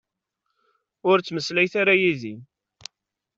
Ur ttmeslayet ara yid-i.